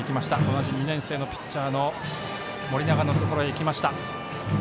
同じ２年生のピッチャーの盛永のところに行きました。